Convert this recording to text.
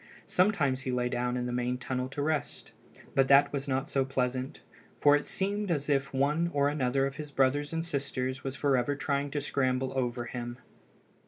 Sometimes he lay down in the main tunnel to rest; but that was not so pleasant, for it seemed as if one or another of his brothers and sisters was forever trying to scramble over him.